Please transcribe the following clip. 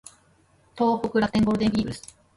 東北楽天ゴールデンイーグルス